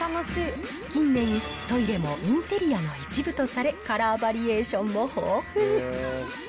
近年、トイレもインテリアの一部とされ、カラーバリエーションも豊富に。